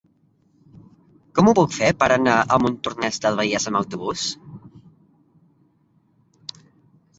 Com ho puc fer per anar a Montornès del Vallès amb autobús?